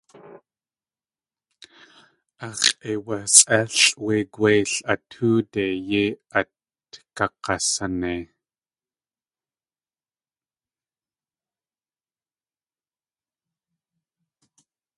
Ax̲ʼeiwasʼélʼ wé gwéil a tóode yéi at gak̲asanei.